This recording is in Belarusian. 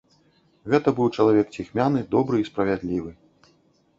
Гэта быў чалавек ціхмяны, добры і справядлівы.